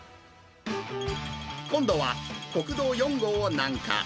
今度は国道４号を南下。